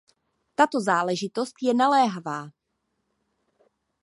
Tato záležitost je naléhavá.